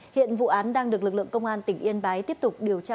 hiện vụ án đang được lực lượng công an tỉnh yên bái tiếp tục điều tra